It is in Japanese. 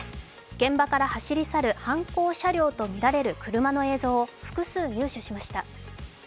現場から走り去る犯行車両とみられる車の映像を複数入手しました。